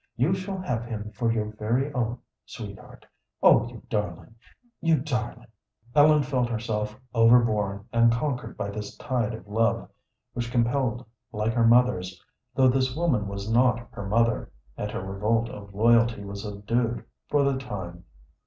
You shall have him for your very own, sweetheart. Oh, you darling! you darling!" Ellen felt herself overborne and conquered by this tide of love, which compelled like her mother's, though this woman was not her mother, and her revolt of loyalty was subdued for the time.